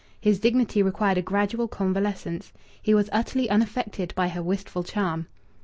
His dignity required a gradual convalescence. He was utterly unaffected by her wistful charm.